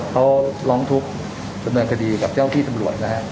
เขาร้องทุกข์ดำเนินคดีกับเจ้าที่ตำรวจนะฮะ